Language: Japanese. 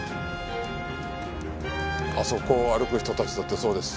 あそこを歩く人たちだってそうです。